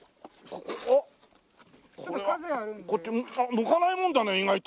向かないもんだね意外と。